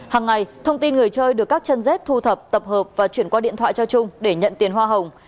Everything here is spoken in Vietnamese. hằng ngày thông tin người chơi được các chân rét thu thập tập hợp và chuyển qua điện thoại cho chung để nhận tiền hoa hồng